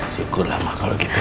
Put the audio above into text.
syukurlah ma kalau gitu